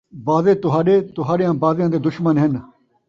بعضے تہاݙے تہاݙیاں بعضیاں دے دشمن ہِن